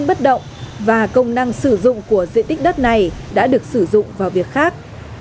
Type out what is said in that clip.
nhiều kết quả xác động và công năng sử dụng của diện tích đất này đã được sử dụng vào việc khác